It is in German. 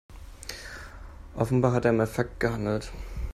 Offenbar hat er im Affekt gehandelt.